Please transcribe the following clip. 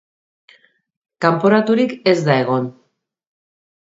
Kanporaturik ez da egon.